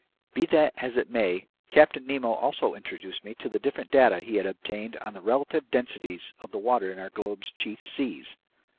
Be that as it may, Captain Nemo also introduced me to the different data he had obtained on the relative densities of the water in our globe's chief seas.